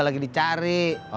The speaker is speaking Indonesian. mak ikutin dia